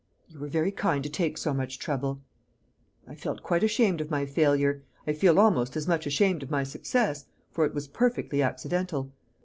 "You were very kind to take so much trouble." "I felt quite ashamed of my failure; I feel almost as much ashamed of my success; for it was perfectly accidental.